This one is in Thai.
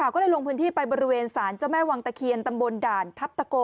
ก็เลยลงพื้นที่ไปบริเวณศาลเจ้าแม่วังตะเคียนตำบลด่านทัพตะโก